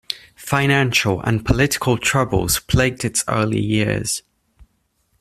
Financial and political troubles plagued its early years.